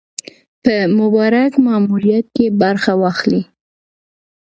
په مبارک ماموریت کې برخه واخلي.